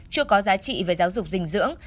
chưa có giá trị về giáo dục dinh dưỡng